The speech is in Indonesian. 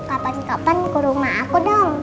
kapan kapan ke rumah aku dong